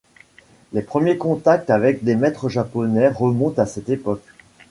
Les premiers contacts avec des maîtres japonais remontent à cette époque.